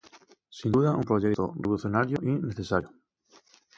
Sin duda un proyecto revolucionario y necesario.